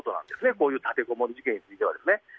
こういう立てこもり事件については。